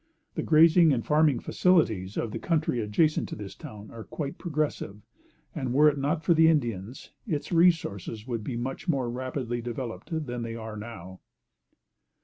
The grazing and farming facilities of the country adjacent to this town are quite progressive, and were it not for the Indians, its resources would be much more rapidly developed than they now are.